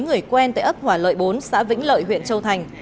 người quen tại ấp hòa lợi bốn xã vĩnh lợi huyện châu thành